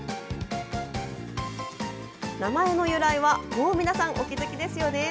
名前の由来はもう皆さんお気づきですよね。